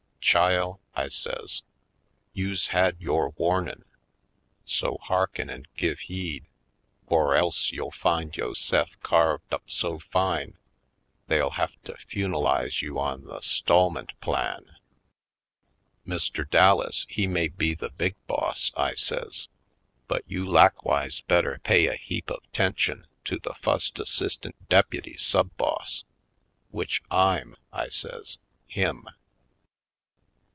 Chile," I says, "you's had yore warnin' — so harken an' give heed or else you'll find yo'se'f carved up so fine they'll have to fune'lize you on the 'stallment plan. Mr. Dallas he may be the big boss," I says, "but you lakwise better pay a heap of 'tention to the fust assistant deputy sub boss w'ich I'm," I says, "him."